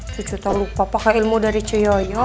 cucu tak lupa pake ilmu dari ce yoyo